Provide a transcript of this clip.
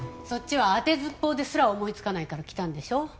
そっちは当てずっぽうですら思いつかないから来たんでしょ。